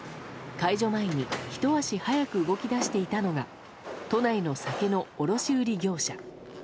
解除前にひと足早く動き出していたのが都内の酒の卸売り業者。